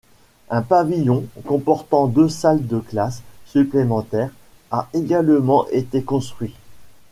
Un pavillon, comportant deux salles de classe supplémentaires, a également été construit.